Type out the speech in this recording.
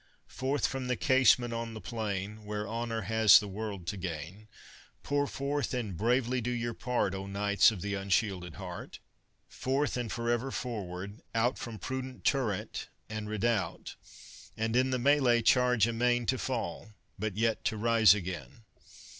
Forth from the casement, on the plain Where honour has the world to gain, Pour forth and bravely do your part, O knights of the unshielded heart ! Forth and for ever forward !— out From prudent turret and redoubt, BEDSIDE BOOKS 95 And in the mellay charge amain To fall, but yet to rise again